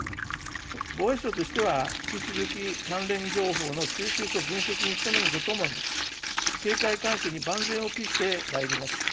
防衛省としては、引き続き関連情報の収集と分析に努めるとともに、警戒監視に万全を期してまいります。